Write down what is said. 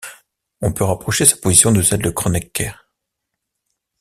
On peut rapprocher sa position de celle de Kronecker.